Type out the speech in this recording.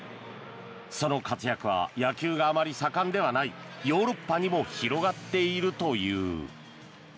その活躍は野球があまり盛んではないヨーロッパにも広がっているという。